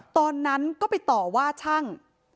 ตอนนั้นก็ไปต่อว่าช่าง